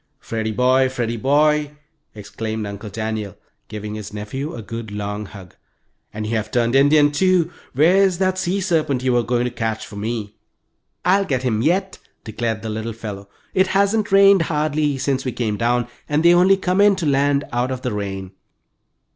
"Freddie boy! Freddie boy!" exclaimed Uncle Daniel, giving his nephew a good long hug. "And you have turned Indian, too! Where's that sea serpent you were going to catch for me?" "I'll get him yet," declared the little fellow. "It hasn't rained hardly since we came down, and they only come in to land out of the rain."